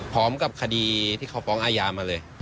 พร้อมกับคดีที่เขาฟ้องอาญามาเลย